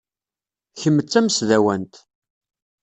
Kemm d tamesdawant.